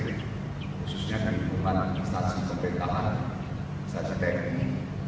khususnya ke lingkungan stasiun pembentangan stasiun tni